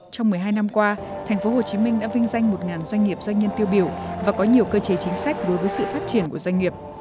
trong một mươi hai năm qua thành phố hồ chí minh đã vinh danh một doanh nghiệp doanh nhân tiêu biểu và có nhiều cơ chế chính sách đối với sự phát triển của doanh nghiệp